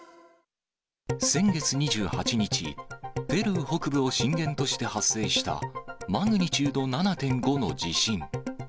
先月２８日、ペルー北部を震源として発生したマグニチュード７．５の地震。